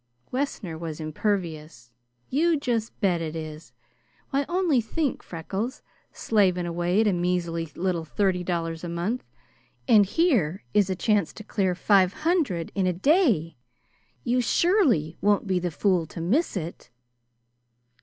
Wessner was impervious. "You just bet it is! Why, only think, Freckles, slavin' away at a measly little thirty dollars a month, and here is a chance to clear five hundred in a day! You surely won't be the fool to miss it!"